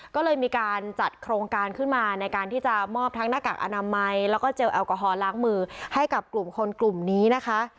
ก็เลยมีการจัดโครงการขึ้นมาในการที่จะมอบทั้งหน้ากากอนามัยแล้วก็เจลแอลกอฮอลล้างมือให้กับกลุ่มคนกลุ่มนี้นะคะ